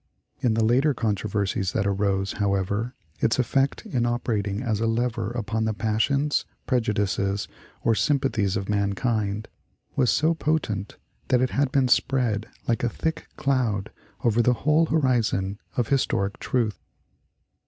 In the later controversies that arose, however, its effect in operating as a lever upon the passions, prejudices, or sympathies of mankind, was so potent that it has been spread, like a thick cloud, over the whole horizon of historic truth.